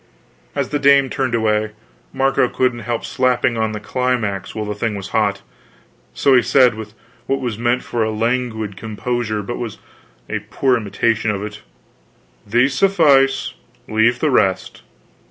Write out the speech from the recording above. As the dame turned away, Marco couldn't help slapping on the climax while the thing was hot; so he said with what was meant for a languid composure but was a poor imitation of it: "These suffice; leave the rest."